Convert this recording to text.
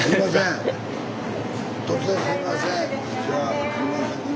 突然すいません。